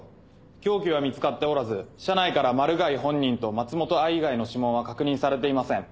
凶器は見つかっておらず車内からマル害本人と松本藍以外の指紋は確認されていません。